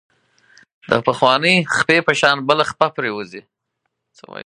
د پخوانۍ خپې په شان بله خپه پرېوځي.